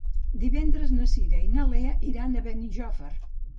Divendres na Cira i na Lea iran a Benijòfar.